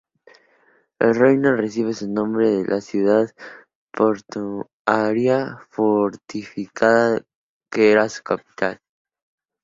El reino recibe su nombre de la ciudad portuaria fortificada que era su capital.